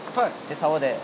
さおで。